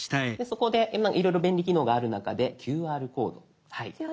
そこでいろいろ便利機能がある中でＱＲコードはい。